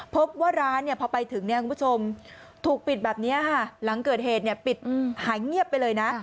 พบว่าร้านพอไปถึงถูกปิดแบบนี้หลังเกิดเหตุปิดหายเงียบไปเลยนะ